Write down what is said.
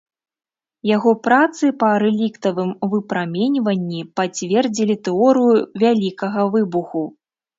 Яго працы па рэліктавым выпраменьванні пацвердзілі тэорыю вялікага выбуху.